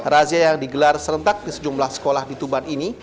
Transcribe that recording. razia yang digelar serentak di sejumlah sekolah di tuban ini